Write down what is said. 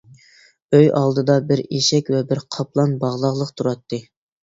ئۆي ئالدىدا بىر ئېشەك ۋە بىر پاقلان باغلاقلىق تۇراتتى.